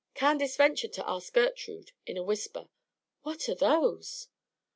Candace ventured to ask Gertrude in a whisper, "What are those?"